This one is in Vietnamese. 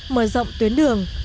mở rộng tuyến đường